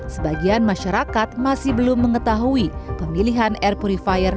sebagian masyarakat masih belum menggunakan air purifier